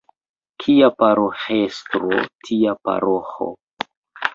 Kia paroĥestro, tia paroĥo.